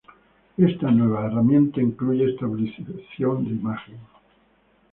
Esta nueva herramienta incluye estabilización de imagen.